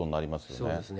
そうですね。